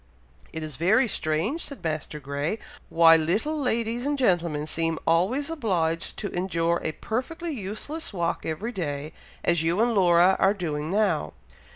"It is very strange," said Master Grey, "why little ladies and gentlemen seem always obliged to endure a perfectly useless walk every day, as you and Laura are doing now.